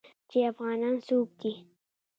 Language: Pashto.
چې افغانان څوک دي.